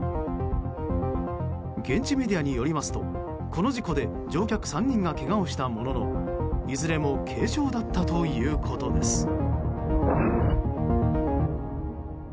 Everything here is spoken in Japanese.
現地メディアによりますとこの事故で乗客３人がけがをしたもののいずれも軽傷だったということです。